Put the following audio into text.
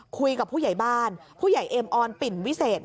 คุยกับผู้ใหญ่บ้านผู้ใหญ่เอ็มออนปิ่นวิเศษ